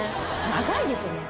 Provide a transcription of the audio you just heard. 長いですよね